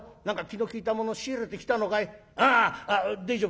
何か気の利いたもの仕入れてきたのかい？」。